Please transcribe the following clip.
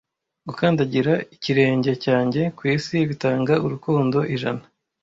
Gukandagira ikirenge cyanjye kwisi bitanga urukundo ijana,